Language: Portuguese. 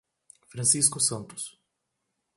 Francisco Santos